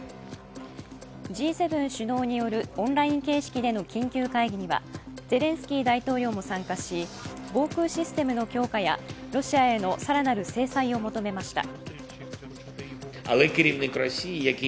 Ｇ７首脳によるオンライン形式での緊急会議にはゼレンスキー大統領も参加し、防空システムの強化やロシアへの更なる制裁を求めました。